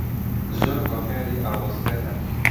زۆر هۆکاری ئاڵۆزکەر هەن.